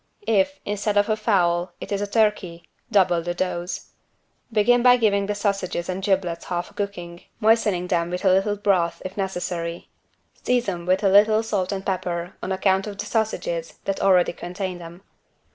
If, instead of a fowl, it is a turkey, double the dose. Begin by giving the sausages and the giblets half a cooking, moistening them with a little broth if necessary. Season with a little salt and pepper on account of the sausages that already contain them.